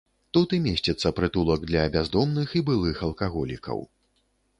Тут і месціцца прытулак для бяздомных і былых алкаголікаў.